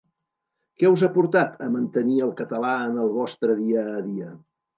Què us ha portat a mantenir el català en el vostre dia a dia?